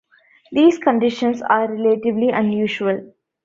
These conditions are relatively unusual.